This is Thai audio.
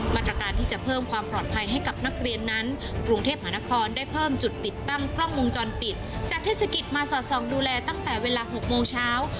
มาตรการที่จะเพิ่มความปลอดภัยให้กับนักเรียนนั้นกรุงเทพมหานครได้เพิ่มจุดติดตั้งกล้องวงจรปิดจากเทศกิจมาสอดส่องดูแลตั้งแต่เวลา๖โมงเช้า